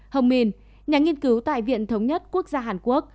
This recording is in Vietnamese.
hồng minh nhà nghiên cứu tại viện thống nhất quốc gia hàn quốc